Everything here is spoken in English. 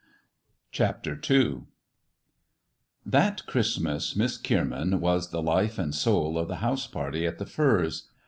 CHAPTER II THAT Christmas Miss Kierman was the life and soul of the house party at The Firs.